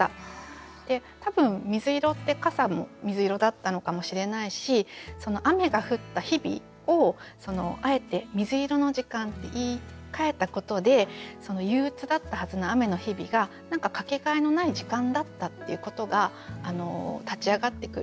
で多分「みずいろ」って傘も水色だったのかもしれないし雨が降った日々をあえて「みずいろの時間」って言いかえたことで憂鬱だったはずの雨の日々が何かかけがえのない時間だったっていうことが立ち上がってくる。